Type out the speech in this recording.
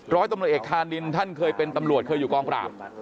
ร้อยตำรวจเอกธานินท่านเคยเป็นตำรวจเคยอยู่กองปราบ